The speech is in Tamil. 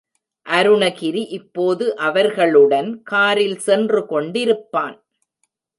அருணகிரி இப்போது அவர்களுடன் காரில் சென்று கொண்டிருப்பான்.